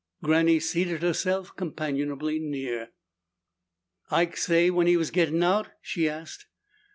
Granny seated herself companionably near. "Ike say when he was gettin' out?" she asked.